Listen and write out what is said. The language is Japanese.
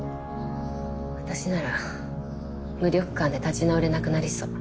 私なら無力感で立ち直れなくなりそう。